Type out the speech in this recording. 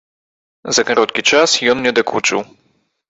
За кароткі час ён мне дакучыў.